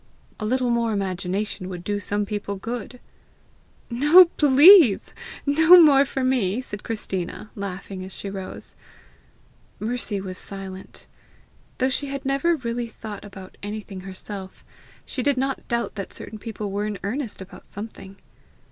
A little more imagination would do some people good!" "No, please! no more for me!" said Christina, laughing as she rose. Mercy was silent. Though she had never really thought about anything herself, she did not doubt that certain people were in earnest about something.